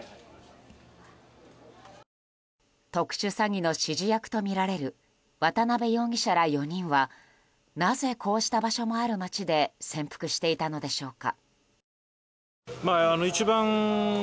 特殊詐欺の指示役とみられる渡邉容疑者ら４人はなぜ、こうした場所もある街で潜伏していたのでしょうか。